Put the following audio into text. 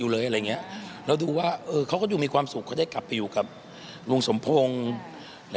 เราดูว่าเขาก็จะมีความสุขเขาได้กลับไปอยู่กับลุงสมพงศ์